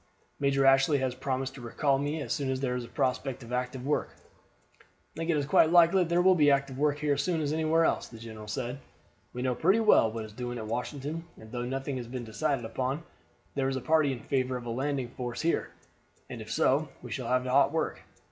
Major Ashley has promised to recall me as soon as there is a prospect of active work." "I think it is quite likely that there will be active work here as soon as anywhere else," the general said. "We know pretty well what is doing at Washington, and though nothing has been decided upon, there is a party in favor of a landing in force here; and if so, we shall have hot work.